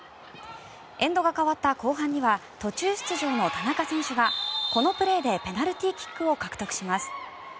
エンドが変わった後半には途中出場の田中選手がこのプレーでペナルティーキックを獲得します。